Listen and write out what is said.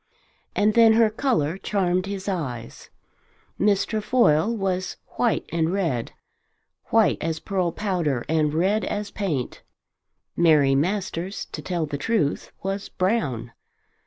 And then her colour charmed his eyes. Miss Trefoil was white and red; white as pearl powder and red as paint. Mary Masters, to tell the truth, was brown.